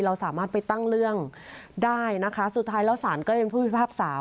เราสามารถไปตั้งเรื่องได้นะคะสุดท้ายแล้วศาลก็ยังพูดพิพากษา